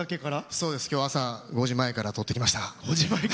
そうです、今日、朝５時前からとってきました。